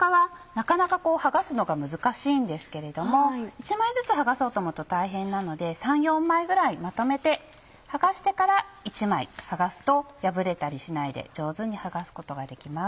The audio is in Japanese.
なかなか剥がすのが難しいんですけれども１枚ずつ剥がそうと思うと大変なので３４枚ぐらいまとめて剥がしてから１枚剥がすと破れたりしないで上手に剥がすことができます。